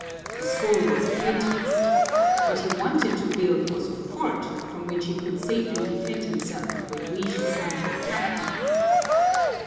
"The school was a pretext. What he wanted to build was a fort from which he could safely defend himself when we should come to attack him."